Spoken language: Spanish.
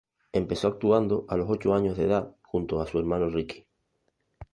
Empezó actuando a los ocho años de edad junto a su hermano Ricky.